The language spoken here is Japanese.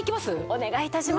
お願い致します。